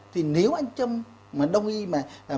thì nếu anh trâm mà đồng ý mà